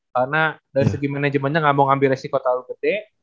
karena dari segi manajemennya gak mau ngambil resiko terlalu gede